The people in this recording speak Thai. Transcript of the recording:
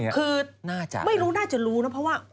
คือไม่รู้น่าจะรู้นะเพราะว่า